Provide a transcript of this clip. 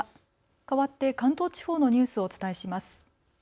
かわって関東地方のニュースをお伝えします。